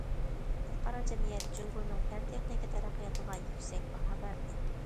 خەلقئارا جەمئىيەت جۇڭگونىڭ پەن- تېخنىكا تەرەققىياتىغا يۈكسەك باھا بەردى.